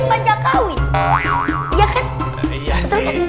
pak cakawi ya kan iya sih